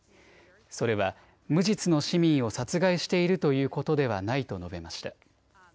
それは無実の市民を殺害しているということではないと述べました。